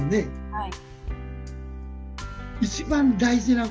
はい。